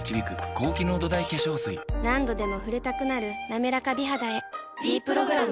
何度でも触れたくなる「なめらか美肌」へ「ｄプログラム」